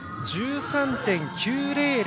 １３．９００